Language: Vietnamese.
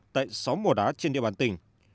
tại sáu mò đá trên địa bàn tỉnh